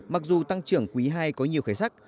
mặc dù tăng trưởng quý ii có nhiều khởi sắc